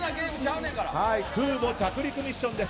空母着陸ミッションです。